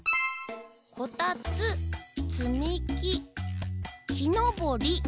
「こたつつみききのぼり」。